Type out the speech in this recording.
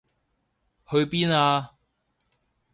去邊啊？